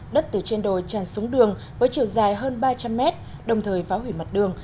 đất từ trên đồi tràn xuống đường với chiều dài hơn ba trăm linh mét đồng thời phá hủy mặt đường